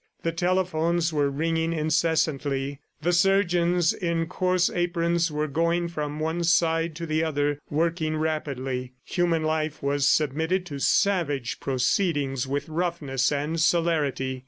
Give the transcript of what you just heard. The telephones were ringing incessantly; the surgeons in coarse aprons were going from one side to the other, working rapidly; human life was submitted to savage proceedings with roughness and celerity.